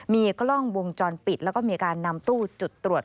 มีกล้องวงจรปิดแล้วก็มีการนำตู้จุดตรวจ